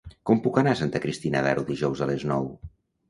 Com puc anar a Santa Cristina d'Aro dijous a les nou?